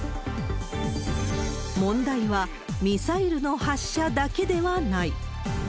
問題は、ミサイルの発射だけではない。